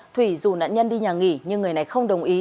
thủy dù nạn nhân đi nhà nghỉ nhưng người này không đồng ý